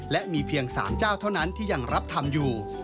และมีเพียง๓เจ้าเท่านั้นที่ยังรับทำอยู่